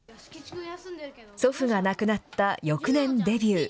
祖父が亡くなった翌年デビュー。